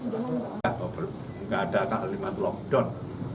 tidak ada kelima lockdown